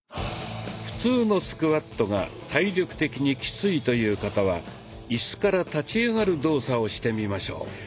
普通のスクワットが体力的にキツイという方はイスから立ち上がる動作をしてみましょう。